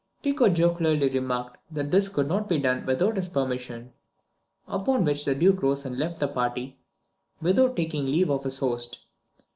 Tycho jocularly remarked that this could not be done without his permission; upon which the Duke rose and left the party, without taking leave of his host.